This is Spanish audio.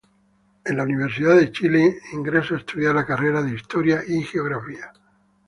En la Universidad de Chile ingresa a estudiar la carrera de Historia y Geografía.